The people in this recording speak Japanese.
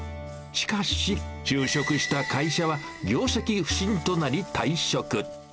しかし、就職した会社は業績不振となり、退職。